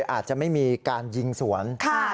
อาจจะไม่มีการยิงสวน